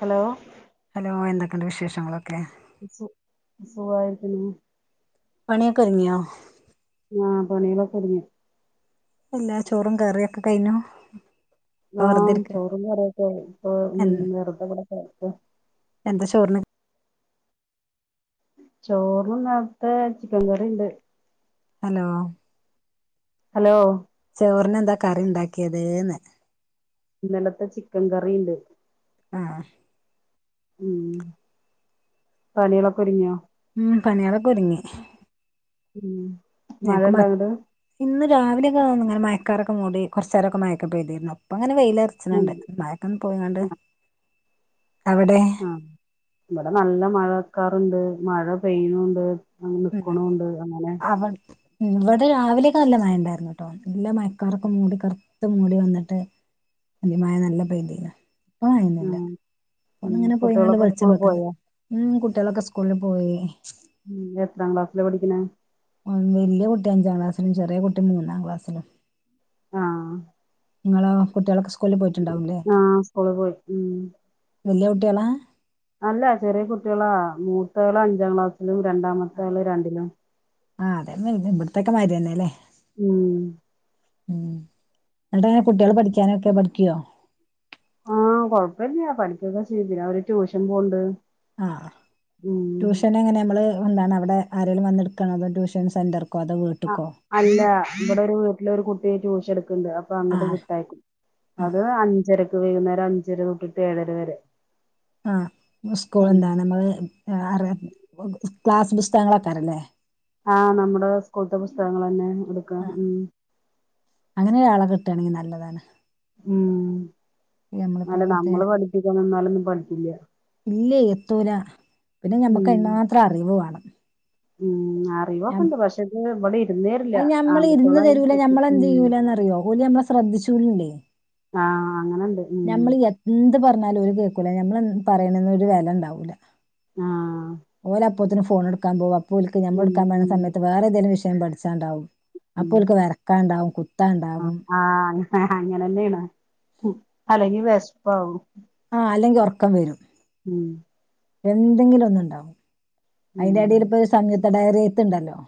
Hello. Hello എന്തൊക്കെണ്ട് വിശേഷങ്ങളൊക്കെ? സു സുഖായിട്ടിരിക്കുന്നു. പണിയൊക്കൊരുങ്ങിയോ? ആ പണികളൊക്കെ ഒതുങ്ങി എല്ലാ ചോറും കറിയൊക്കെ കയ്ഞ്ഞോ ആ ചോറും കറ്യൊക്കെ ആയി ഇപ്പം എ ഉം വെറുതവടെ കെടക്കാ എന്താ ചോറ്ന് ചോറ്ന് നേർത്തെ ചിക്കൻ കറിണ്ട് ഹലോ ഹലോ ചോറിനെന്താ കറി ഇണ്ടാക്കിയത് എന്ന് ഇന്നലത്തെ ചിക്കൻ കറിയിണ്ട് ആഹ് ഉം പണികളൊക്കെ ഒരുങ്ങിയോ ഉം പണികളൊക്കെ ഒരുങ്ങി ഉം മഴ ഞങ്ങക്ക് മ ഇണ്ടോ അങ്ങട്ട് ഇന്ന് രാവിലെ ഒക്കെ ഒന്ന് ഇങ്ങനെ മഴക്കാറൊക്കെ മൂടി കൊറച്ചേരൊക്കെ മഴ ഒക്കെ പെയ്തീരുന്നു ഇപ്പം ഇങ്ങനെ വെയില് അർ ഉം ച്ച്ണ്‌ണ്ട് മഴ ഒക്കെണ്ട് പോയ് ക്കാണ്ട് അവടേ ആഹ് ഇവടെ നല്ല മഴക്കാറുണ്ട് മഴ പെയ്യുണൂണ്ട് അങ്ങനെ നിക്കുണുണ്ട് അങ്ങനെ [unintelligible] ഉം ഇവടെ രാവിലെ ഒക്കെ നല്ല മഴ ഉണ്ടായിരുന്നുട്ടോ നല്ല മയക്കാറൊക്കെ മൂടി കറുത്ത് മൂടി വന്നിട്ട് അന്തിക്ക് മഴ നല്ലൊം പെയിതീനു ഇപ്പം മഴ ഒന്നുല്ല ഉം ഇപ്പം ഉം ഒന്നിങ്ങനെ പോയി ങ്ങാണ്ട് കുട്ടികളൊക്കെ വെളിച്ചം സ്കൂളിൽ വെക്ക്ണ്ട് പോയോ ഉം കുട്ടിയേളൊക്കെ സ്കൂളില് പോയി ഉം എത്രാം ക്ലാസ്സിലാ പഠിക്ക്ണെ വല്യ കുട്ടി അഞ്ചാം ക്ലാസിലും ചെറിയ കുട്ടി മൂന്നാം ക്ലാസ്സിലും ആഹ് ഇങ്ങളോ കുട്ടിയേളൊക്കെ സ്കൂളില് പോയിട്ടുണ്ടാവും ല്ലേ ആഹ് സ്കൂളിൽ പോയി ഉം വല്യ കുട്ടിയേളാ അല്ല ചെറിയ കുട്ടികളാ മൂത്തോള് അഞ്ചാം ക്ലാസ്സിലും രണ്ടാമത്തേള് രണ്ടിലും ആഹ് അതെന്നെ പിന്നെ ഇവട്ത്തെ ഒക്കെ മാതിരി തന്നെ അല്ലേ ഉം ഉം ഇന്നട്ട് കുട്ട്യേള് പഠിയ്ക്കാനൊക്കെ പഠിക്ക്യോ ആഹ് കൊഴപ്പല്യ പഠിയ്ക്കൊക്കെ ചെയ്തു അവര് ട്യൂഷൻ പോവ്ണ്ട് ആഹ് ട്യൂഷൻ എങ്ങനെ നമ്മള് എന്താണ് അവിടെ ആരേലും വന്ന് ഇടുക്കാണോ അതോ ട്യൂഷൻ സെന്റർ ക്കോ അതോ ആഹ് വീട്ട്ക്കോ അല്ല ഇവടെ ഒരു വീട്ടിലൊരു കുട്ടി ട്യൂഷൻ ഇട്ക്ക്ണ്ട് അപ്പം ആ അങ്ങട്ട് വിട്ട് അയക്കും ആ അത് അഞ്ചരക്ക് വൈകുന്നേരം അഞ്ചര തൊട്ടിട്ട് ഏഴര വരെ ആഹ് നമ്മളെ സ്കൂൾ ഉം എന്താ നമ്മള് അറിയ അപ്പൊ സ് ക്ലാസ് പുസ്തകങ്ങള് അക്കാരല്ലേ ആഹ് നമ്മുടെ സ്കൂൾത്തെ പുസ്തകങ്ങള് തന്നെ എടുക്ക്ണത് ഉം അങ്ങനെ ഒരാളെ കിട്ടാണെങ്കി നല്ലതാണ് ഉം നമ്മളിപ്പോ അല്ല മറ്റേ നമ്മള് പഠിപ്പിക്കാൻ നിന്നാലൊന്നും പഠിക്കില്ല ഇല്ലെയ് എത്തൂലാ പിന്നെ ഉം ഞമ്മക്ക് അതിന് മാത്രം അറിവ് വേണം ഉം അ അറിവൊക്കെ ഉണ്ട് പക്ഷേ ഇത് ഇങ്ങനെ ഇവിടെ ഇരുന്ന് തരില്ല അത് നമ്മൾ ഇരുന്ന് ആൺകുട്ടികള് ആയാലും പെട്ട് ഉം ശ്രദ്ധിച്ചൂല അല്ലേ ആഹ് അങ്ങനെണ്ട് ഉം ഞമ്മള് എന്ത് പറഞ്ഞാലും ഓല് കേക്കൂല ഞമ്മള് പറിയ്ണൊന്നും ഒരു വെല ഉണ്ടാവൂല ആഹ് ഓല് അപ്പോത്തിന് ഫോൺ ഇട്ക്കാൻ പോകും അപ്പ ഓൽക്ക് ഞമ്മള് ഉം ഇടുക്കാൻ പറയ്ണ ഉം സമയ ത്ത് വേറെ എന്തേലും വിഷയം പഠിച്ചാൻ ഇണ്ടാവും ഉം അപ്പോ ഓൽക്ക് വരക്കാൻ ഇണ്ടാവും കുത്താണ്ടാവും ആഹ് അങ്ങനെ അങ്ങനെ തന്നേണ് അല്ലെങ്കി വെശപ്പ് ആവും ആഹ് അല്ലെങ്കി ഒറക്കം വരും ഉം എന്തെങ്കിലും ഒന്ന് ഉണ്ടാവും അയ്ന്റെ എടേല് ഉം ഇപ്പം ഒരു സംയുക്ത ഡയറി എയ്ത്തുണ്ടല്ലോ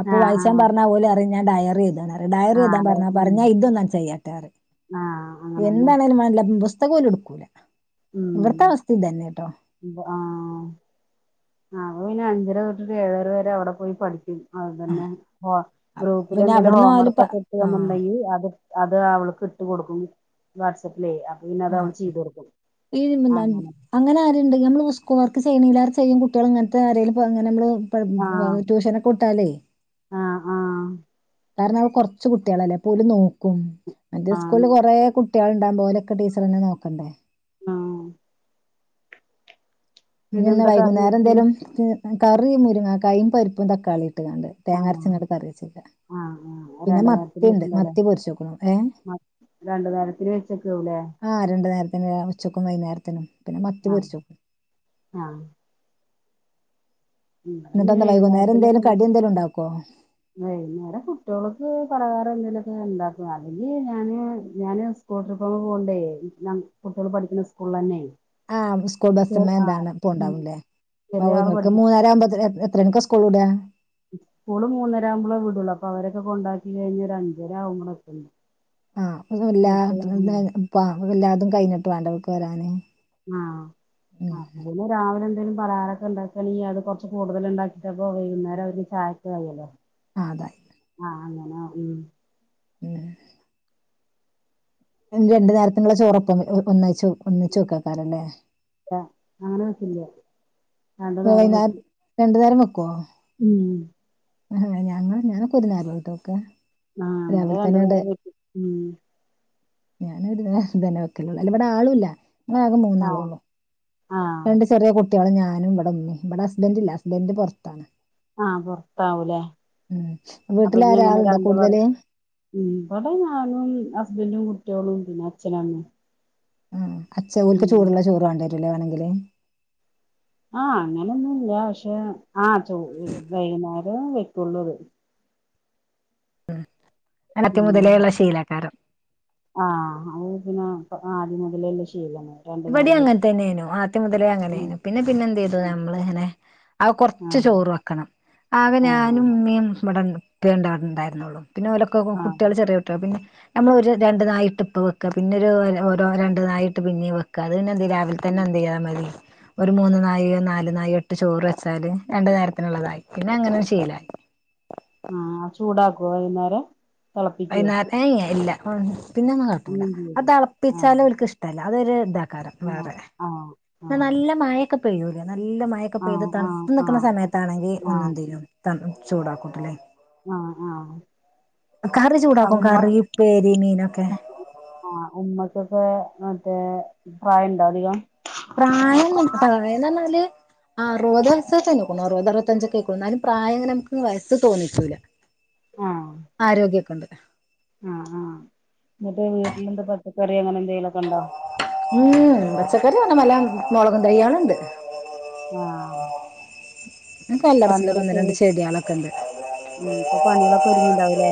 അപ്പം ആഹ് വായിച്ചാൻ ആഹ് പറഞ്ഞ ഓല് പറയും ഞാൻ ഡയറി എയ്താ ഡയറി ആഹ് എഴ്താ അതെ പറഞ്ഞാ ഉം പറയും ഞാൻ ഇതൊന്നാം ചെയ്യാട്ടെ പറയും ആഹ് അങ്ങനെന്നെ എന്താണേങ്കിലും മാണ്ടീല പുസ്തകം ഓല് എടുക്കൂല ഉം ഇവിടുത്തെ അവസ്ഥയും ഇതന്നെ കേട്ടോ ആഹ് അപ്പ പിന്നെ അഞ്ചര തൊട്ടിട്ട് ഏഴര വരെ അവിടെ പോയി പഠിക്കും അതന്നെ ആഹ് ഗ്രൂപ്പില് പിന്നെ എന്തെലും അവിടന്ന് ഓല് പ ഹോംവർക്ക്ക്കെ ആഹ് ഉണ്ട്ണുണ്ടെങ്കിൽ അത് അത് അവൾക്ക് ഇട്ട് കൊടുക്കും. വാട്സാപ്പില് പിന്നെ അത് അവൾ ആഹ് ചെയ്ത് കൊടുക്കും ഈ അങ്ങനെ അങ്ങനെ ആരുണ്ട് നമ്മള് സ്ക്കൂള് വർക്ക് ചെയ്യണില്ല എല്ലാരും ചെയ്യും കുട്ടികൾ അങ്ങനത്തെ ആരേലും നമ്മള് ആഹ് ഇപ്പം ട്യൂഷനൊക്കെ ഇട്ടാലേ ആഹ് ആഹ് കാരണം അവൾ കുറച്ച കുട്ടികളല്ലേ പോലും നോക്കും അന്റെ സ്കൂള ആഹ് കുറെ കുട്ടികള് ഉണ്ടാകുമ്പം ഓ്ലൊക്കെ ടീച്ചറന്നെ നോക്കണ്ടേ ആഹ് ഇ ഞ്ഞ് പിന്നെ ഇന്ന് എന്താ കറി വൈകുന്നേരം എന്തേലും കറി മുരുങ്ങകായും പരിപ്പും തക്കാളി ഇട്ട് കാണ്ട് ആ തേങ്ങരച്ചിങ്ങാണ്ട് കറി വെച്ചേക്ക ആ ആ പിന്നെ രണ്ടു നേരത്തിന് മത്തിണ്ട് വെച്ചിണ്ടാവുല്ലേ മത്തി പൊരിച്ചോക്കാണ് ഏഹ് രണ്ടു നേരത്തിന് വെച്ചേക്കാവൂലേ ആഹ് രണ്ട് നേരത്തിന് ഉച്ചയ്ക്കും വൈകുന്നേരത്തിനും പിന്നെ മത്തി പൊരിച്ചും ആഹ് ഇനി എന്നിട്ട് വൈകുന്നേരം എന്തേലും വൈകുന്നേരത്തിനൊക്കെ കടി എന്തേലും ഉണ്ടാക്കോ വൈകുന്നേരം കുട്ടികൾക്ക് പലഹാരം എന്തേലുമൊക്കെ ഉണ്ടാക്കും അല്ലെങ്കില് ഞാന് ഞാന് സ്കൂൾ ട്രിപ്പ് ഒങ്ങ് പോകണ്ടേ ഞ കുട്ടികൾ പഠിക്കണ സ്കൂളിൽ തന്നെ ആഹ് സ്കൂൾ ചെ- ബസ്സമ്മേ ആ എന്താണ് ഉം ഇണ്ടാവുംലേ അപ്പൊ ചെറിയ ആള് നിങ്ങൾക്ക് പഠിക്കും മൂന്നര ആവുമ്പോത്തിന് എത്ര മണിക്ക സ്‌കൂസ് വിടാ സ്കൂള് മൂന്നര ആകുമ്പോളേ വിടുള്ളൂ അപ്പം അവരൊക്കെ കൊണ്ടാക്കി കഴിഞ്ഞ് ഒരു അഞ്ചര ആകുമ്പോളൊക്കെ എത്തുള്ളൂ ആഹ് എല്ലാതും എല്ലാരതും കഴിഞ്ഞിട്ട് വേണ്ടേ അവർക്ക് വരാന് ആഹ് ഉം ആഹ് പിന്നെ രാവിലെ എന്തേലും പലഹാരൊക്കെ ഉണ്ടാക്കാണെങ്കിൽ അത് കുറച്ച് കൂടുതൽ ഉണ്ടാക്കിട്ടപ്പോ വൈകുന്നേരം അവര്ക്ക് ചായക്കായല്ലോ ആ അതായി ആഹ് അങ്ങനെ. ഉം ഉം രണ്ടു നേരത്തിനുള്ളെ ചോറൊപ്പം ഒന്ന് ഒന്നിച്ച് വെക്കക്കാരല്ലേ അങ്ങനെ വക്കില്ല വൈകുന്നേരം രണ്ടു നേരം വെക്കുവോ ഉം ആഹ് ഞങ്ങള് ഞാനൊക്കെ ഒരു നേരമായിട്ട വെക്ക ആഹ് ഇവടെ രണ്ട് നേരം വക്കും ഉം ഞാനൊരു നേരം തന്നെ വെക്കലുള്ള അല്ല ഇവിടെ ആളുല്ല ഇവടാകെ ആഹ് മൂന്നാളുള്ളൂ ആഹ് രണ്ട് ചെറിയ കു ട്ടികളും ഞാനും ഇവിടെ ഉമ്മയും ഇവിടെ ഹസ്ബൻ്റില്ല ഹസ്ബൻ്റ് പുറത്താണ് ആഹ് പുറത്താവൂലേ ഉം അപ്പൊ ഇനി എങ്ങനെ വീട്ടിലാരാളുണ്ടോ രണ്ട് പേർ കൂടുതല് ഉം ഇവടെ ഞാനും ഹസ്ബൻറും കുട്ടികളും പിന്നെ അച്ഛനും അമ്മയും ആഹ് അച്ചൻ ഓൽക്ക് ഉം ചൂടുള്ള ചോറ് വേണ്ടി വരുല്ലേ വേണെങ്കില് ആഹ് അങ്ങനൊന്നുല്ല പക്ഷെ ആഹ് വൈകുന്നേരം വയ്ക്കുള്ളത് [unintelligible] ഉം മുതലേയുള്ള ശീലക്കാരം ആഹ് അത് പിന്നെ ആദ്യം മുതലേ ഉള്ള ശീലാണ് രണ്ടു ഇബടി നേരം അങ്ങനെ വെക്കും തന്നെയിനു ആദ്യം മുതലേ ഉം അങ്ങനെയ്നു പിന്നെ പിന്നെ എന്ത്തു ചെയ്തു ഉം നമ്മള് ഇങ്ങനെ അത് കൊറച്ച് ആഹ് ചോറ് വെക്കണം ആകെ ആഹ് ഞാനും ഉമ്മയും ഇവിടള്ളത് പ്പേ ഉണ്ട ണ്ടായിരുന്നുള്ളു പിന്നെഓലൊക്കെ കുട്ടികള് ആഹ് ചെറിയ കുട്ടിക പിന്നെ നമ്മളൊരു രണ്ട് നായിട്ട് ഇപ്പ വെക്ക പിന്നെ ഒരുഓരോ രണ്ട് നായിട്ട് പിന്നെ വെക്ക അത് ന്നെ രാവിൽതന്നെ എന്തയ്യ മതി ഒരു മൂന്ന് നായോ നാല് നായോട്ട് ചോറെച്ചാല് രണ്ട് നേരത്തിനുള്ളതായി പിന്നെ അങ്ങനെ ശീലായി ആഹ് ചൂടാക്കോ വൈന്നേരം വൈന്നാരെ ഏഹ് ഇല്ല പിന്നെ ഒന്നു കാട്ടൂല്ല അഹ് അങ്ങനെചെയ്യരുത്. ആ. തെളപ്പിച്ചാലും ഓൽക്ക് ഇഷ്ടല്ല അതൊരുതാ കാരം ആ. വേറെ ആ. ആ. ന്ന് നല്ല മയെ ക്ക പെയ്യൂല്ല നല്ല മഴക്ക ആ. പെയ്ത് ആ. തണ്ത്ത് ആ. നിക്കുന്ന സമയത്താണെങ്കി ആ. ഒന്നെന്തേലും ത ചൂടാക്കൂട്ട്ലെ ആഹ് ആഹ് കറി ചൂടാക്കും കറി ഉപേരി മീനൊക്കെ ആഹ് ഉമ്മക്കൊക്കെ മറ്റേ പ്രായണ്ടോ അധികം പ്രായം ന്ന് പറീന്നെർഞ്ഞാല് അറുപത് വയസൊക്കെ കഴിഞ്ഞിക്ണ് അറുപത് അറുപതഞ്ച് ഒകെയിക്ണ് ന്നാലും പ്രായങ്ങന വയസ് തോന്നിക്കുല്ല ആരോഗ്യക്കൊണ്ട് ആഹ് ആഹ് ന്നട്ട് വീട്ടിലെന്ത പച്ചക്കറി അങ്ങനെ എന്തെലൊക്കെണ്ടോ ഉം പച്ചക്കറി അങ്ങനെ [unintelligible] മുളകും തൈയ്യേള്ണ്ട് ആഹ് അങ്കല്ലർച്ചില്ലറ ഒന്ന് ഒരു രണ്ട് ചെട്യേളൊക്കെണ്ട് ഉം ഇപ്പൊ പണികളൊക്കെ ഒരുങ്ങിണ്ടാവുലേ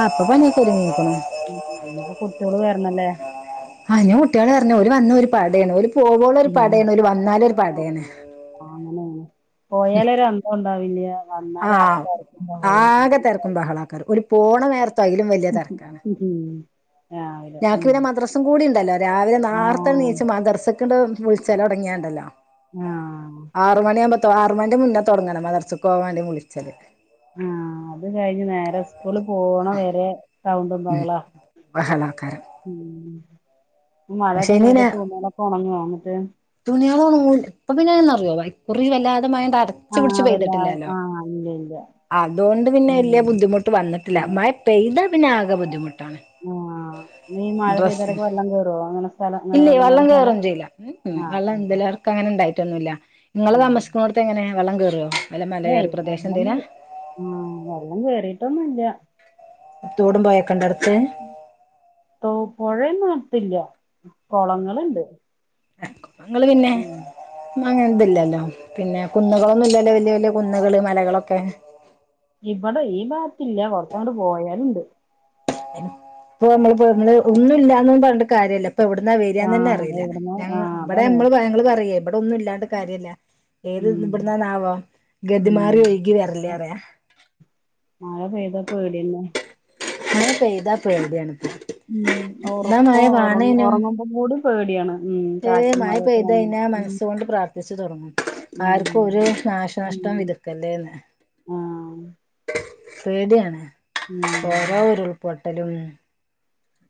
ആ ഇപ്പൊ പണിയൊക്കെ ഒരുങ്ങിക്ക്ണു ഉം കുട്ട്യോള് വര്ണല്ലേ ആഹ് ഞ് കുട്ട്യേള് വരണം ഓല് വന്നോരു പടേണ് ഓല് പോവോളു ഒരു പടേണ് ഓല് വന്നാലൊരു പടേണ് ആങ്ങനേണ് പോയാലരു അന്തം ഉണ്ടാവില്ല വന്നാൽ ആകെ തെര്കും ബഹളവും ബഹളാക്കാര ഓല് പോണ നേരത്ത് അയിലും വെൽ [unintelligible] ഞാക് ഉം. പിന്നെ മദ്രസും കൂടിണ്ടല്ലോ രാവിലെ ആ. നാർത്തെനീച് മദ്രസ്ക്ണ്ട് വിളിച്ചലൊട്ങ്യാണ്ടല്ലോ ആഹ് ആറ് മണി ആവുമ്പോ തോ ആറ് മണിന്റെ മുന്നേ തുടങ്ങണം മദ്രസക്ക് പോവാണ്ടേ വിളിച്ചല് ആഹ് അത് കഴിഞ്ഞ് നേരെ സ്കൂളിൽ പോണ വരെ താഉമ്പ ഉം ബഹളാ ബഹളാക്കാരം ഉം പക്ഷെ മഴയൊക്കെ പെയ്ത തുണികളൊക്കെ ഒണങ്ങു എന്നിട്ട് തുണ്യേളൊണങ്ങൂല ഇപ്പൊപിനെ ന്നറിയോ വൈ കുറി വല്ലാതെ മഴണ്ട് അട ച്ച് പിടിച്ച് ആഹ് വല്ലാ പെയ്തിട്ടില്ലല്ലോ ആഹ് ഇല്ല ഇല്ല അതോണ്ട് പിന്നെ ഉം വല്ല്യ ബുദ്ധിമുട്ട് വന്നിട്ടില്ല ഉം മഴ പെയ്താ പിന്നെ ആകെ ബുദ്ധിമുട്ടാണ് ആഹ് ഈ മഴ ഡ്രസ്സ് പെയ്തരൊക്കെ വെള്ളം കേറോ അങ്ങനെ സ്ഥലം അങ്ങനെ ഇല്ലേ വെള്ളം കേർന്ന സ്ഥല കേറും ചെയ്യില്ല ഉം ഉം വെള്ളം എന്തിലറക്കങ്ങനെ ണ്ടായിട്ടൊന്നുല്ല ഇങ്ങള് ആഹ് താമസിക്കുന്നോട്ത്തെങ്ങനെ വെള്ളം കേറോ അല്ല മലയോര ഏയ് പ്രദേശം എന്തേയ്നാ ആഹ് വെള്ളം കേറിയിട്ടൊന്നുല്ല തോടും പുഴയും ഒക്കെണ്ടോ അടുത്ത് തോ പുഴന്നും അടുത്തില്ല കുളങ്ങള്ണ്ട് ങ്ങള് പിന്നെ മഴ എന്ത്‌ല്ലല്ലോ പിന്നെ കുന്നുകളൊന്നുല്ലല്ലോ വല്യ വല്യ കുന്നുകള് മലകളൊക്കെ ഇവിടെ ഈ ബാത്തില്ല കുറച്ചങ്ങട്ട് പോയാലുണ്ട് ഇപ്പൊ അമ്മള് പ്പൊ ഒന്ന് ഒന്നും ഇല്ലാന്നും പറഞ്ഞിട്ട് കാര്യല്ല പ്പൊ എവിട്ന്നാ വെരാന്നന്നെ ആഹ് അറിയില്ല എവിടുന്നോ ഞങ്ങ ആഹ് ഇവിടെ അതാണ് മ്മള് ങ്ങള് പറയേ ഇവിടൊന്നും ഇല്ലാണ്ട് കാര്യല്ല ഏത് ഉം ഇവിടുന്നണാവൊ ഉം ഗതിമാറി ഒഴുകി വരല്ലേറിയ മഴ പെയ്താ പേടിന്നെ മഴ പെയ്ത പേടിയാണ് ഉം ഒറക്കോ ഒറ ഒറങ്ങുമ്പം കൂടി പേടിയാണ്. ഉം ഏഹ് കാറ്റും മഴ മഴയൊക്കെ പെയ്തു വന്നാ. കഴിഞ്ഞാ ഉം മനസ്സുകൊണ്ട് പ്രാർത്ഥിച്ച് തൊടങ്ങും. ആർക്കും ഒരു ഉം ഉം നാശനഷ്ടം വിതക്കല്ലേന്ന് ആഹ് പേടിയാണ് ഓരോ ഉം ഉരുൾപൊട്ടലും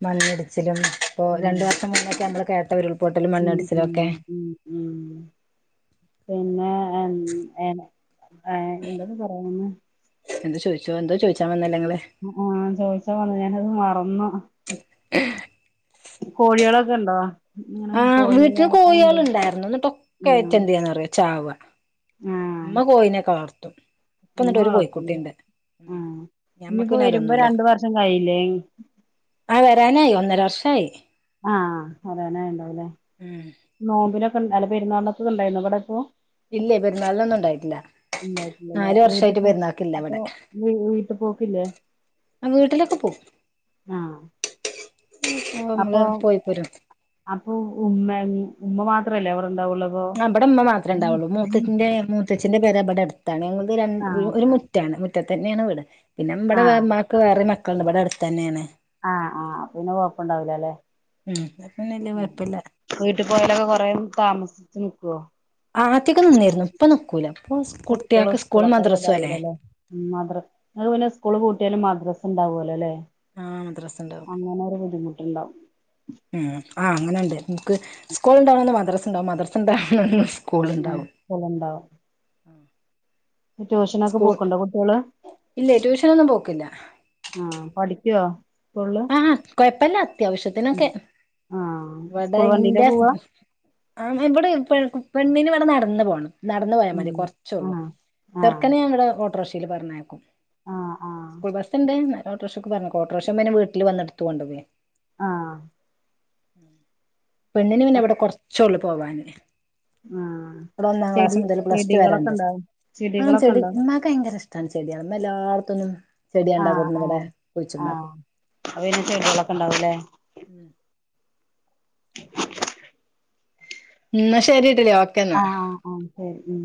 മണ്ണിടിച്ചിലും ഇപ്പോ ഉം രണ്ടു വർഷം മുമ്പൊക്കെ അമ്മള് കേട്ടത് ഉരുൾ പൊട്ടലും ഉം ഉം മണ്ണിടിച്ചിലുംക്കെ ഉം ഉം പിന്നെ എൻ ഏഹ് എന്തോന്ന് പറയാൻ വന്നെ എന്ത് ചോയിച്ചോ എന്തോ ചോയി ച്ചാ വന്നല്ലെ ഇങ്ങള് ആഹ് ചോയിച്ച വന്ന് ഞാനത് മറന്നു കോഴിയളൊക്കെണ്ടൊ ഇങ്ങനെ- ആ കോഴി വീട്ടില് ആഹ് ഉണ്ട് കോയിയള്ണ്ടായിരുന്നുന്നിട്ട് ഉം ഒക്കായിറ്റ് എന്തേന്നറിയൊ ചാവ ആഹ് ഉമ്മ കോയീനെക്കെ വളർത്തും ഇപ്പൊ ഉമ്മ എന്നിട്ട് ഒരു വളത്തല് കോഴിക്കുട്ടിയുണ്ട് ഉം ആഹ് ഞമ്മക്ക് ഇനിപ്പോയി പിന്നെ വരുമ്പൊ അതൊന്നുമില്ല രണ്ടു വർഷം കഴിയില്ലേ എ- ആഹ് വരാനായി ഒന്നര വർഷായി ആഹ് വരാനായുണ്ടാവൂലെ ഉം നോമ്പിനൊക്കെ ഉണ്ടാല പെരുന്നാളിനൊക്കെണ്ടാരുന്നൊ ഇവിടെ ഇപ്പോ? ഇല്ലെ പെരുന്നാളിനൊന്നും ഒണ്ടായിട്ടില്ല ഇണ്ടായിട്ടില്ലല്ലേ വീട്ട് പോ അപ്പൊ ഇവിടെ വീട്ട് പോക്കില്ലെ? ആഹ് വീട്ടിലൊക്കെ പോവും ആഹ് ആഹ് അമ്മള് അപ്പൊ പോയി പ്പൊരും അപ്പൊ ഉമ്മ ഉമ്മ മാത്രല്ലേ അവടെ ണ്ടാവൊള്ളു ആഹ് ഇബ്ടെ ഉമ്മ മാത്രേ ണ്ടാവുള്ളൂ മൂത്തച്ഛന്റെ മൂത്തച്ചിന്റെ പെര ബ്ടെ അട് ത്താണ് ഞങ്ങക്ക് രണ് ആഹ് ഒരു മുറ്റാണ് മുറ്റത്തന്നെയാണ് വീട് പിന്നെ ഇവ്ടെ വെ ആഹ് ഉമ്മാക്ക് വേറെ മക്ക ക്കണ്ട് ഇബ്ടെ അടുത്തന്നേണ് ആഹ് ആഹ് അപ്പിന്നെ കൊഴപ്പുണ്ടാവില്ല ല്ലെ ഉം അപ്പം വല്ല്യ കൊഴപ്പില്ല വീട്ടി പോയാലൊക്കെ കൊറേ താമസിച്ച് നിക്കൊ? ആദ്യക്കെ നിന്നിരുന്നു ഇപ്പൊ നിക്കൂല ഇപ്പൊ സ് കുട്ടികള് കുട്ടിയക്ക് സ്കൂളും സ്കൂളൊക്കെ മദ്രസും അല്ലെ ഇതാവൂലല്ലേ ഉം മദ്ര ഇങ്ങള് പിന്നസ്കൂള് പൂട്ടിയാലും മദ്രസണ്ടാവോല അല്ലെ ആഹ് മദ്രസണ്ടാവും അങ്ങനെ ഒരു ബുദ്ധിമുട്ടുണ്ടാവും ഉം ആഹ് അങ്ങനൊണ്ട് ഇൻക്ക് സ്കൂള് ഉണ്ടാവണന്ന് മദ്രസണ്ടാവും മദ്രസ ഉണ്ടാണന്ന് സ് കൂളുണ്ടാവും ആഹ് ഉണ്ടാവും ട്യൂഷനൊക്കെ പോക്കുണ്ടൊ കുട്ടിയള് ഇല്ലേ ട്യൂഷനൊന്നും പോക്കില്ല ആഹ് പഠിക്ക്യോ? ആഹ് ആഹ് കൊയപ്പില്ല അത്യാവശ്യത്തിനൊക്കെ ഉം ആഹ് വ്ടെ സ്കൂൾ ഇന്റ വണ്ടിയിലാ പോവാ ആഹ് ഇവിടെ പെ പെണ്ണിന് ഇവിടെ നടന്നു പോണം നടന്നു പോയാ ഉം മതി കൊറച്ചേള്ളൂ ആഹ് ആഹ് ചെറുക്കനെ ഞാൻ ഇവിടെ ഓട്ടോറിക്ഷയിൽ പറഞ്ഞേക്കും ആഹ് ആഹ് സ്കൂൾ ബസ്ണ്ട് ന്നാലും ഓട്ടോറിക്ഷയ്ക്ക് പറഞ്ഞയക്കും ഓട്ടോറിക്ഷ പിന്നെ വീട്ടിൽ വന്നെടുത്ത് കൊണ്ട് പോവെ ആഹ് പെണ്ണിന് പിന്നെ ഇവിടെ കൊറച്ചേള്ള് പോവാന് ആഹ് ഇവിടെ ഒന്നാം ക്ലാസ് ചെടി മുതൽ പ്ലസ് ടു ചെടികളൊക്കെ വരെണ്ട് ഉണ്ടോ ആഹ് ചെടികളൊക്കെ ചെടി ഉണ്ടോ ഇന്നാ ക്ക് ഭയങ്കര ഇഷ്ടാണ് ചെടിയാള് ഇമ്മ എല്ലാട്ത്ത്ന്നും ചെടികണ്ടാ കൊടുന്ന് ഇമ്പടെ കുഴിച്ചിട്ട്ണ്ടാക്കും അപ്പം പിന്നെ ചെടികളൊക്കെണ്ടാവൂല്ലേ ഉം ഇന്നാ ശരി [unintelligible] ഓ ആഹ് ആഹ് ശരി ഉം